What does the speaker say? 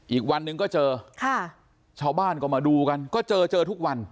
อีกวันหนึ่งก็เจอค่ะชาวบ้านก็มาดูกันก็เจอเจอทุกวัน